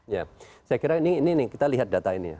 ya saya kira ini kita lihat data ini